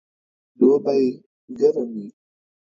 دوبئ ګرم وي